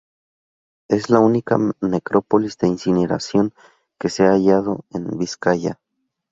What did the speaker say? Es la única necrópolis de incineración que se ha hallado en Vizcaya.